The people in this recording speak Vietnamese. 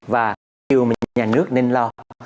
và nhiều nhà nước nên lo